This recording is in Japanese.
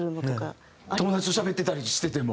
友達としゃべってたりしてても？